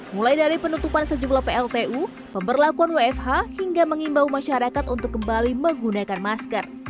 mulai dari penutupan sejumlah pltu pemberlakuan wfh hingga mengimbau masyarakat untuk kembali menggunakan masker